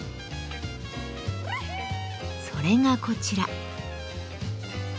それがこちら。